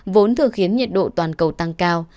vốn thừa khiến nhiệt độ toàn cầu tăng cao